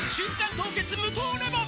凍結無糖レモン」